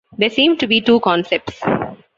There seem to be two concepts.